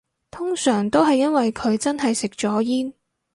通常都係因為佢真係食咗煙